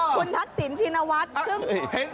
คุณทักสินชีณวัฒย์